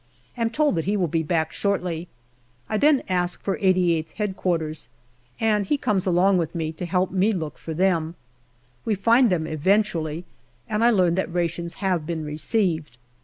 Am told that he will be back shortly. I then ask for 88th H.Q., and he comes along with me to help me look for them. We find them eventually, and I learn that rations have been received.